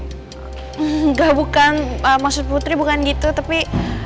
enggak bukan maksud putri bukan gitu tapi